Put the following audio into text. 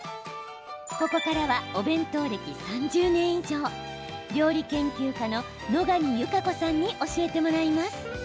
ここからは、お弁当歴３０年以上料理研究家の野上優佳子さんに教えてもらいます。